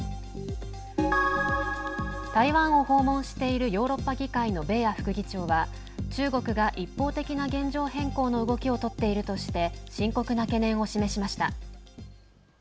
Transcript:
台湾を訪問しているヨーロッパ議会のベーア副議長は中国が一方的な現状変更の動きを取っているとして深刻な懸念を示しました。